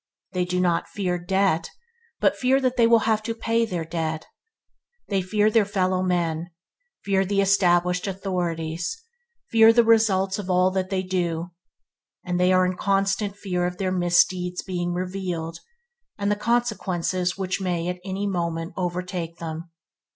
They do not fear debt, but fear that they will have to pay their debts. They fear their fellow men, fear the established authorities, fear the results of all that they do, and they are in constant fear of their misdeeds being revealed, and of the consequences which may at any moment overtake them.